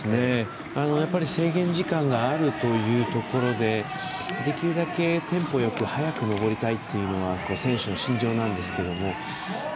制限時間があるというところでできるだけテンポよく速く登りたいというのが選手の心情なんですけども。